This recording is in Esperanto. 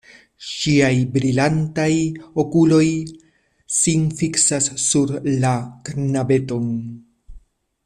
Ŝiaj brilantaj okuloj sin fiksas sur la knabeton.